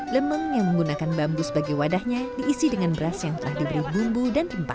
lemeng yang menggunakan bambu sebagai wadahnya diisi dengan beras yang telah diberi bumbu dan rempah